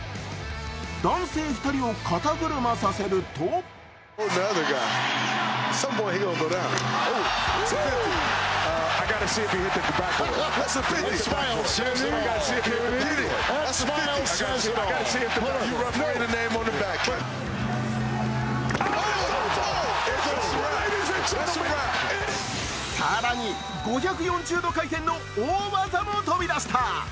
男性２人を肩車させると更に５４０度回転の大技も飛び出した。